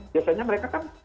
biasanya mereka kan